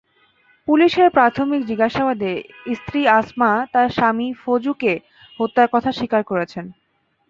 পুলিশের প্রাথমিক জিজ্ঞাসাবাদে স্ত্রী আছমা তাঁর স্বামী ফজুকে হত্যার কথা স্বীকার করেছেন।